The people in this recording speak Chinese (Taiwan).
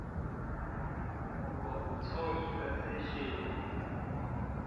我補充一個資訊